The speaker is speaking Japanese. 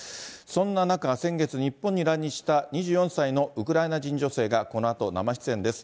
そんな中、先月、日本に来日した２４歳のウクライナ人女性がこのあと生出演です。